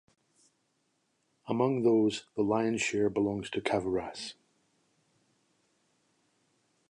Among those, the lion's share belongs to Kavouras.